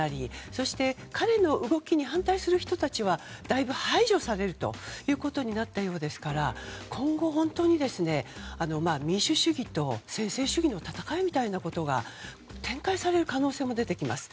そして彼の動きに反対する人たちはだいぶ排除されるということになったようですから今後、本当に民主主義と専制主義の戦いみたいなことが展開される可能性も出てきます。